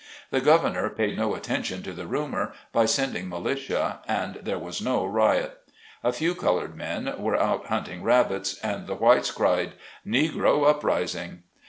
The gov ernor paid no attention to the rumor, by sending militia, and there was no riot. A few colored men were out hunting rabits, and the whites cried, "Negro uprising."